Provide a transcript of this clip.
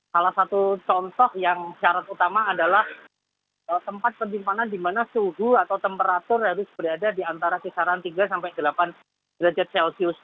salah satu contoh yang syarat utama adalah tempat penyimpanan di mana suhu atau temperatur harus berada di antara kisaran tiga sampai delapan derajat celcius